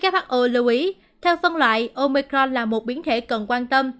who lưu ý theo phân loại omicron là một biến thể cần quan tâm